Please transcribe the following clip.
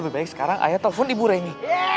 lebih baik sekarang ayah telepon ibu rengi